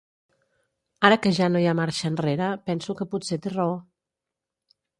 Ara que ja no hi ha marxa enrere penso que potser té raó.